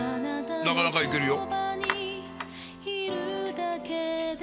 なかなかいけるよ。